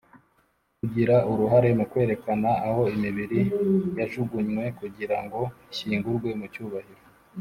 Kugira uruhare mu kwerekana aho imibiri yajugunywe kugira ngo ishyingurwe mu cyubahiro